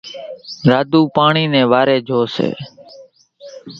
راڌُو پاڻِي نيَ واريَ جھو سي۔